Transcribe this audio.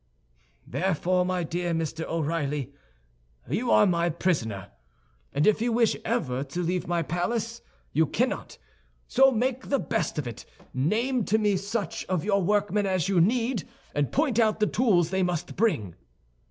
"Therefore, my dear Mr. O'Reilly, you are my prisoner. And if you wish ever to leave my palace, you cannot; so make the best of it. Name to me such of your workmen as you need, and point out the tools they must bring."